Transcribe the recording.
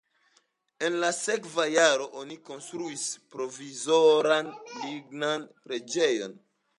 En la sekva jaro oni konstruis provizoran lignan preĝejon.